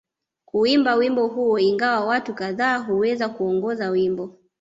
Kuimba wimbo huo ingawa watu kadhaa huweza kuongoza wimbo